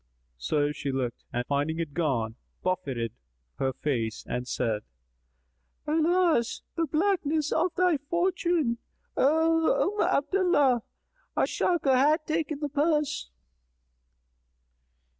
So she looked and finding it gone, buffeted her face and said, "Alas the blackness of thy fortune, O Umm Abdallah! A sharker hath taken the purse."